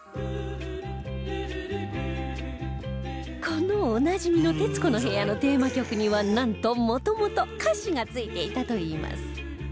このおなじみの『徹子の部屋』のテーマ曲にはなんともともと歌詞がついていたといいます